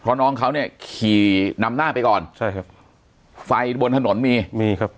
เพราะน้องเขาเนี่ยขี่นำหน้าไปก่อนใช่ครับไฟบนถนนมีมีครับ